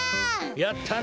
やったな！